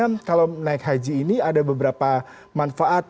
pemerintah yang menanggung haji ini ada beberapa manfaat